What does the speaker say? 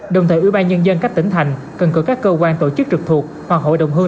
đồng thời ủy ban nhân dân các tỉnh thành cần cử các cơ quan tổ chức trực thuộc hoặc hội đồng hương